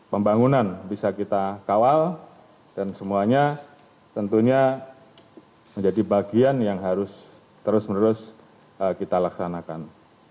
pembangunan bisa kita kawal dan semuanya tentunya menjadi bagian yang harus terus menerus kita laksanakan